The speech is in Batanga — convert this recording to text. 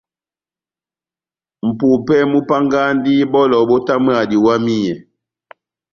Mʼpupɛ múpángandi bɔlɔ bótamwaha diwamiyɛ.